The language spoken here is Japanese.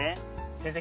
先生